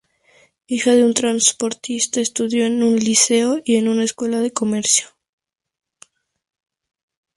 Hija de un transportista, estudió en un liceo y en una escuela de comercio.